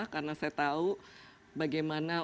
karena saya tahu bagaimana